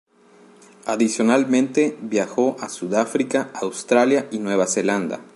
Adicionalmente viajó a Sudáfrica, Australia y Nueva Zelanda.